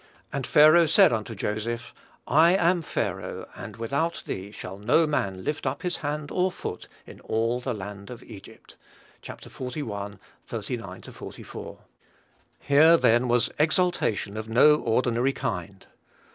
And Pharaoh said unto Joseph, I am Pharaoh, and without thee shall no man lift up his hand or foot in all the land of Egypt." (Chap. xli. 39 44.) Here, then, was exaltation of no ordinary kind.